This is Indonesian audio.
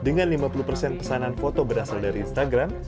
dengan lima puluh persen pesanan foto berasal dari instagram